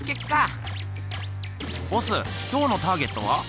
ボスきょうのターゲットは？